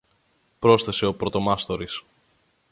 πρόσθεσε ο πρωτομάστορης.